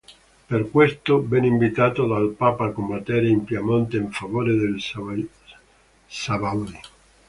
Per questo venne inviato dal Papa a combattere in Piemonte, in favore dei Sabaudi.